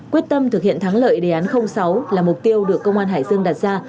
quyết tâm thực hiện thắng lợi đề án sáu là mục tiêu được công an hải dương đặt ra